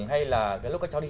chụp vào một lúc vào buổi chiều